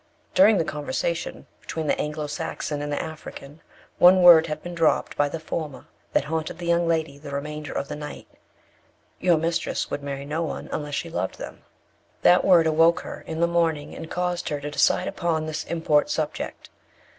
During the conversation between the Anglo Saxon and the African, one word had been dropped by the former that haunted the young lady the remainder of the night "Your mistress would marry no one unless she loved them." That word awoke her in the morning, and caused her to decide upon this import subject.